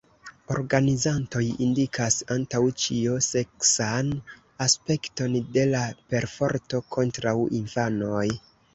Organizantoj indikas antaŭ ĉio seksan aspekton de la perforto kontraŭ infanoj.